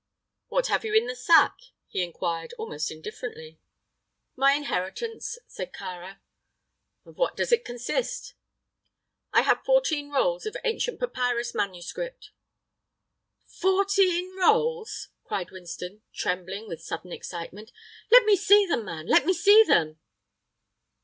"What have you in the sack?" he inquired, almost indifferently. "My inheritance," said Kāra. "Of what does it consist?" "I have fourteen rolls of ancient papyrus manuscript." "Fourteen rolls?" cried Winston, trembling with sudden excitement. "Let me see them, man let me see them!"